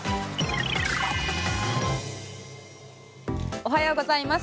おはようございます。